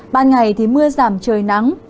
ban ngày thì mưa giảm trời nắng